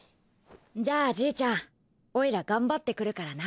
じゃあじいちゃんオイラ頑張ってくるからな。